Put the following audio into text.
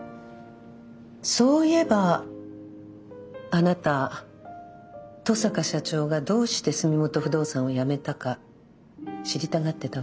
そういえばあなた登坂社長がどうして住元不動産をやめたか知りたがってたわね。